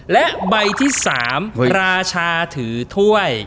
และใบที่๓ราชาถือถ้วย